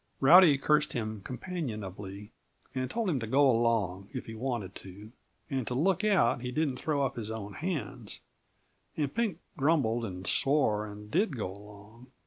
Rowdy cursed him companionably and told him to go along, if he wanted to, and to look out he didn't throw up his own hands; and Pink grumbled and swore and did go along.